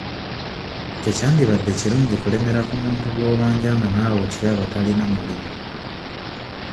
Tekyandibadde kirungi kulemera ku muntu gw'obanja nga naawe okiraba talina mulimu.